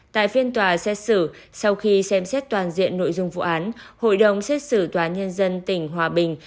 tại phiên tòa xét xử sau khi xem xét toàn diện nội dung vụ án hội đồng xét xử tòa nhân dân tỉnh hòa bình